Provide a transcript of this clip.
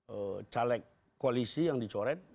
ee caleg koalisi yang dicoret